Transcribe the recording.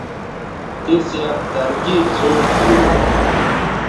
تِیس یک ترکیب سوچ گِیُو